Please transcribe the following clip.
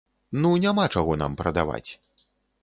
Ну няма чаго нам прадаваць.